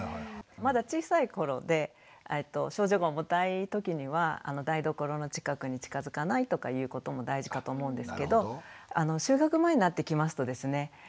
まだ小さい頃で症状が重たい時には台所の近くに近づかないとかいうことも大事かと思うんですけど就学前になってきますとですね